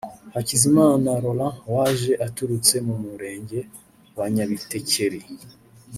Hakizimana Laurent waje aturutse mu murenge wa Nyabitekeri